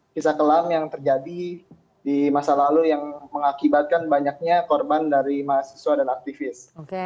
kisah kelam yang terjadi di masa lalu yang mengakibatkan banyaknya korban dari mahasiswa dan aktivis